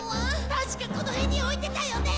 確かこの辺に置いてたよね？